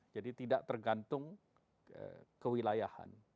jadi tidak tergantung kewilayahan